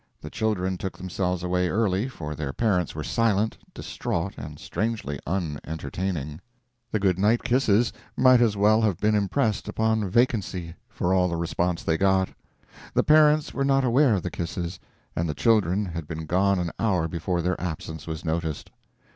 The children took themselves away early, for their parents were silent, distraught, and strangely unentertaining. The good night kisses might as well have been impressed upon vacancy, for all the response they got; the parents were not aware of the kisses, and the children had been gone an hour before their absence was noticed.